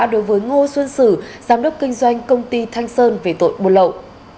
đối với ngô xuân sử giám đốc kinh doanh công ty thanh sơn về tội buôn lậu